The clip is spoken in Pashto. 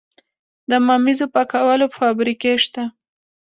د ممیزو پاکولو فابریکې شته؟